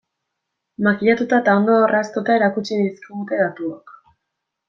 Makillatuta eta ondo orraztuta erakutsi dizkigute datuok.